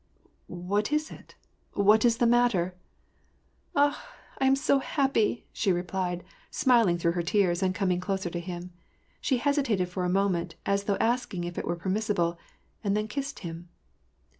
« \Vhat is it ? What is the matter ?' ^'Akh! I am so happy," she replied, smiling through her tears, and coming closer to him ; she hesitated for a moment, as though asking if it were permissible, and then kissed him.